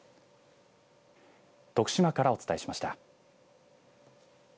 徳島からお伝えしました。